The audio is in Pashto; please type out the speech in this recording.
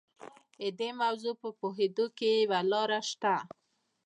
د دې موضوع په پوهېدو کې یوه لاره شته.